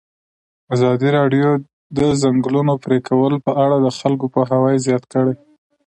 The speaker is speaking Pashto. ازادي راډیو د د ځنګلونو پرېکول په اړه د خلکو پوهاوی زیات کړی.